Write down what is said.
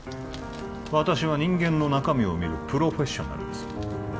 私は人間の中身を見るプロフェッショナルです